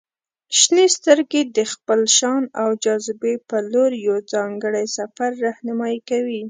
• شنې سترګې د خپل شان او جاذبې په لور یو ځانګړی سفر رهنمائي کوي.